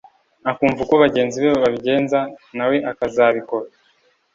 akumva uko bagenzi be babigenza nawe akabikora